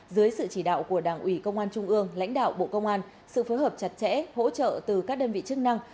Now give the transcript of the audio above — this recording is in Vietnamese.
dưới sự chỉ đạo của đảng ủy công an trung ương lãnh đạo bộ công an sự phối hợp chặt chẽ hỗ trợ từ các đơn vị chức năng